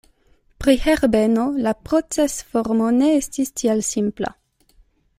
Pri Herbeno, la procesformo ne estis tiel simpla.